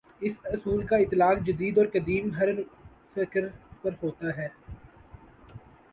اس اصول کا اطلاق جدید اور قدیم، ہر فکرپر ہوتا ہے۔